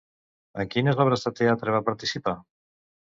En quines obres de teatre va participar?